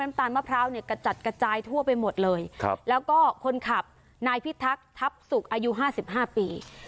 ตาลมะพร้าวเนี่ยกระจัดกระจายทั่วไปหมดเลยครับแล้วก็คนขับนายพิทักษ์ทัพสุกอายุห้าสิบห้าปี